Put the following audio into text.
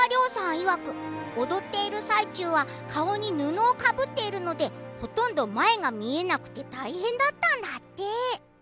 いわく踊っている最中は顔に布をかぶっているのでほとんど前が見えなくて大変だったんだって。